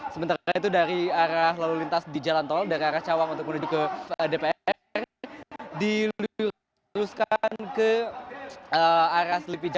sementara itu dari arah lalu lintas di jalan tol dari arah cawang untuk menuju ke dpr diluruskan ke arah selipija